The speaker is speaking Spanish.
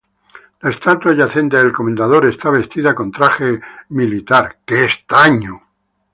La estatua yacente del comendador está vestida con traje militar.